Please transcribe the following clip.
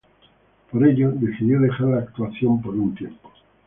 Por ello decidió dejar la actuación por un tiempo.